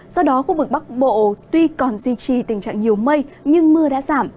do đó khu vực bắc bộ tuy còn duy trì tình trạng nhiều mây nhưng mưa đã giảm